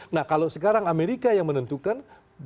nah kalau sekarang amerika yang menentukan